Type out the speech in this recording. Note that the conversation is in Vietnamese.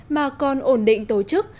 mà còn ổn định tổ chức